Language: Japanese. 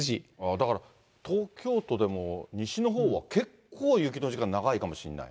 だから東京都でも西の方は結構雪の時間、長いかもしれない。